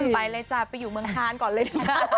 ไปเลยจ้ะไปอยู่เมืองฮานก่อนเลยนะ